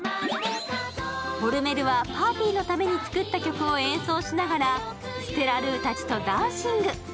オル・メルはパーティーのために作った曲を演奏しながらステラ・ルーたちとダンシング。